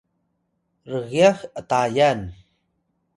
rgyax Atayal